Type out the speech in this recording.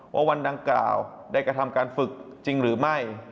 วันดังกล่าวได้กระทำการฝึกจริงหรือไม่